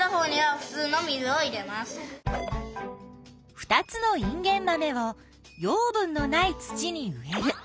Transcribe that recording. ２つのインゲンマメを養分のない土に植える。